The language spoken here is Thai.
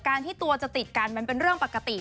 ที่ตัวจะติดกันมันเป็นเรื่องปกติ